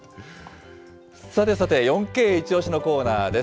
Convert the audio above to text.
さてさて４Ｋイチオシ！のコーナーです。